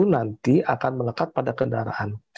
nanti akan melekat pada kendaraan